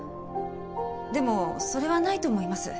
でもそれはないと思います。